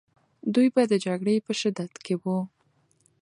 دوی به د جګړې په شدت کې وو.